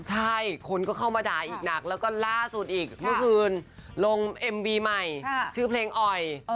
ใช่คนก็เข้ามาด่าอีกหนักแล้วก็ล่าสุดอีกเมื่อคืนลงเอ็มวีใหม่ชื่อเพลงอ่อย